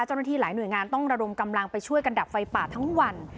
เจ้าหน้าที่หลายหน่วยงานต้องระดมกำลังไปช่วยกันดับไฟป่าทั้งวัน